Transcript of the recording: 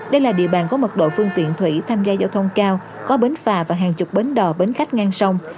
đây là địa bàn có mật độ phương tiện thủy tham gia giao thông cao có bến phà và hàng chục bến đò bến khách ngang sông